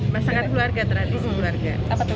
masakan keluarga terhadap keluarga